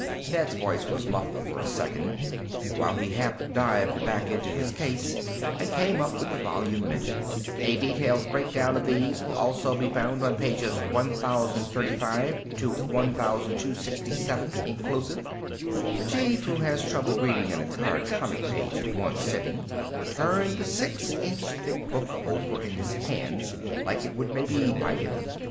Ned's voice was muffled for a second while he half dived back into his case and came up with the volume mentioned. "A detailed breakdown of these will also be found on pages 1035 to 1267 inclusive." The Chief, who has trouble reading an entire comic page at one sitting, turned the 6 inch thick book over in his hands like it would maybe bite him.